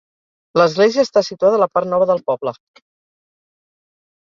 L'església està situada a la part nova del poble.